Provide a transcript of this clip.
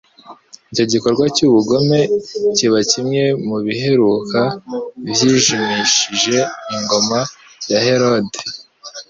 Icyo gikorwa cy'ubugome kiba kimwe mu biheruka byijimishije ingoma ya Herode.